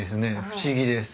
不思議です。